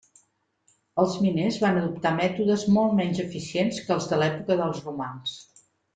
Els miners van adoptar mètodes molt menys eficients que els de l'època dels romans.